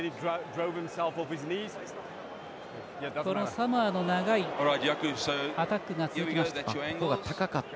サモアの長いアタックが続きました。